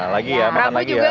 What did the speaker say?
lagi ya makan lagi ya